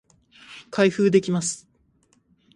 開封できます